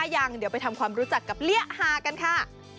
ยังเดี๋ยวไปทำความรู้จักกับเลียฮากันค่ะ